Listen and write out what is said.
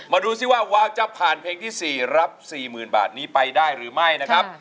ดูสิว่าวาวจะผ่านเพลงที่๔รับ๔๐๐๐บาทนี้ไปได้หรือไม่นะครับ